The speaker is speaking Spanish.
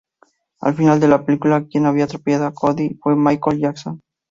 Al final de la película quien había atropellado a Cody fue Michael Jackson.